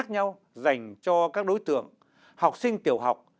các chương trình khác nhau dành cho các đối tượng học sinh tiểu học